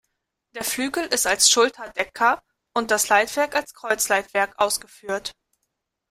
Der Flügel ist als Schulterdecker und das Leitwerk als Kreuzleitwerk ausgeführt.